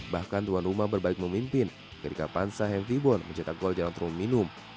bahkan tuan rumah berbalik memimpin ketika pansa hempibon mencetak gol jalan turun minum